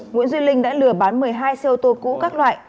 nguyễn duy linh đã lừa bán một mươi hai xe ô tô cũ các loại